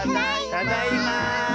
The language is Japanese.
ただいま！